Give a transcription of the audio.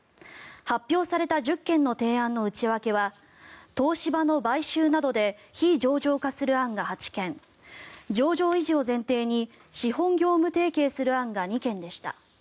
発表された１０件の提案の内訳は東芝の買収などで非上場化する案が８件上場維持を前提に資本業務提携する案が２件でした。